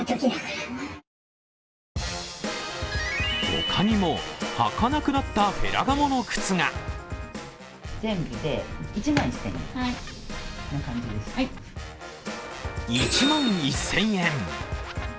他にも履かなくなったフェラガモの靴が１万１０００円。